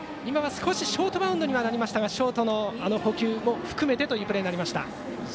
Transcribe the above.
少しショートバウンドにはなりましたがショートの捕球を含めてのプレーになりました。